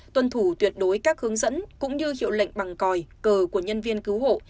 tuân thủ tuyệt đối các hướng dẫn cũng như hiệu lệnh bằng còi cờ của nhân viên cứu hộ